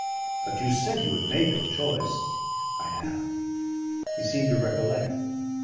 "But you said you had made your choice!" "I have." He seemed to recollect.